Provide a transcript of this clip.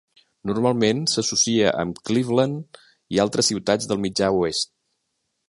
Normalment s'associa amb Cleveland i altres ciutats del mitjà oest.